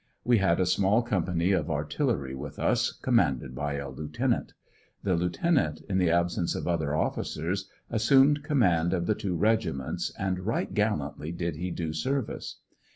We had a small company of artillery with us commanded by a lieutenant The lieutenant in the absence of other officers, assumed command of the two regiments, and right gallantly did he do service.